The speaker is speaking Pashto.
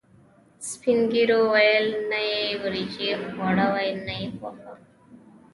سپینږیرو ویل: نه یې وریجې خوړاوې، نه یې غوښه.